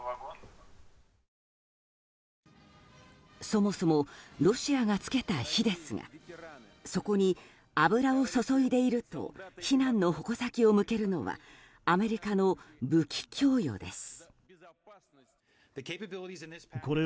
そもそもロシアがつけた火ですがそこに油を注いでいると非難の矛先を向けるのはアメリカの武器供与です。